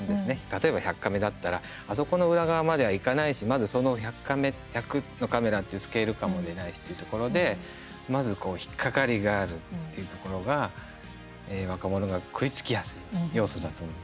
例えば「１００カメ」だったらあそこの裏側まではいかないしまず１００のカメラっていうスケール感も出ないしっていうところでまず引っ掛かりがあるっていうところが、若者が食いつきやすい要素だと思います。